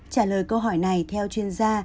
trả lời câu hỏi này theo chuyên gia